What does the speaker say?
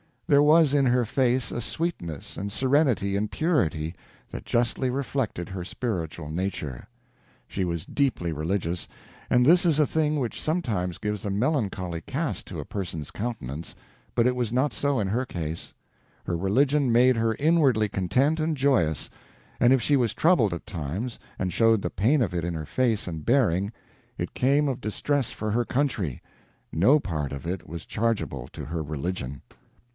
There was in her face a sweetness and serenity and purity that justly reflected her spiritual nature. She was deeply religious, and this is a thing which sometimes gives a melancholy cast to a person's countenance, but it was not so in her case. Her religion made her inwardly content and joyous; and if she was troubled at times, and showed the pain of it in her face and bearing, it came of distress for her country; no part of it was chargeable to her religion.